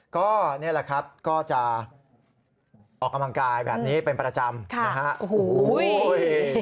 ก็นี่แหละครับก็จะออกกำลังกายแบบนี้เป็นประจำนะฮะโอ้โห